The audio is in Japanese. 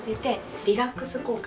リラックス効果。